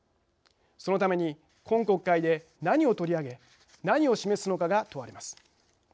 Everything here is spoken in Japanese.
そのために今国会で何を取り上げ何を示すのかが問われます。